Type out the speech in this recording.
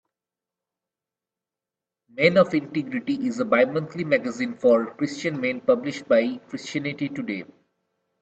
"Men of Integrity" is a bi-monthly magazine for Christian men published by Christianity Today.